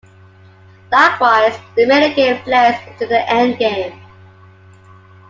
Likewise, the middlegame blends into the endgame.